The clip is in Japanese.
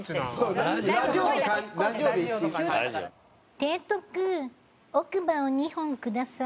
提督奥歯を２本ください。